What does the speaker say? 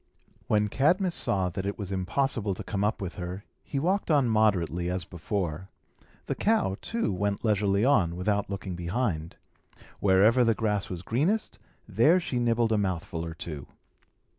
When Cadmus saw that it was impossible to come up with her, he walked on moderately, as before. The cow, too, went leisurely on, without looking behind. Wherever the grass was greenest, there she nibbled a mouthful or two.